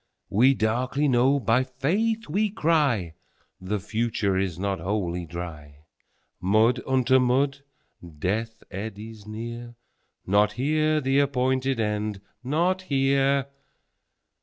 13We darkly know, by Faith we cry,14The future is not Wholly Dry.15Mud unto mud! Death eddies near 16Not here the appointed End, not here!